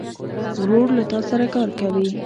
ورور له تا سره کار کوي.